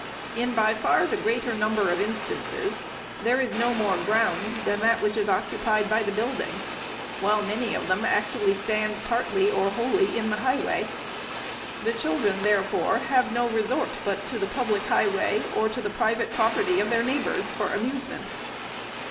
" In by far the greater number of instances, there is no more ground than that which is occupied by the build ing ; while many of them actually stand partly or wholly in the highway. The children, therefore, have no resort but to the public highway, or the private property of their neighbors, for amusement.